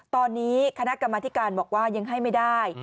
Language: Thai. ตอนนี้คณะกรรมธิการบอกว่ายังให้ไม่ได้